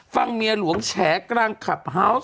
ฟังเมียหลวงแฉกกลางคลับฮาวส์